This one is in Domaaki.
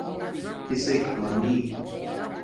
کِسݵک آنݵ؟